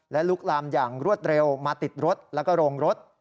และลุกลามอย่างรวดเร็วมาติดรถแล้วก็โรงรถ